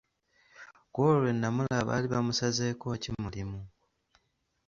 Kwolwo lwe namulaba baali bamusazeeko ki mulimu.